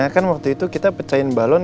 kan waktu itu kita pecahin balon